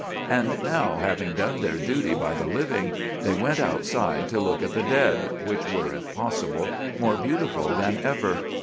And now, having done their duty by the living, they went outside to look at the dead, which were, if possible, more beautiful than ever.